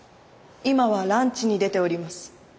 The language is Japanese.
今はランチに出ております。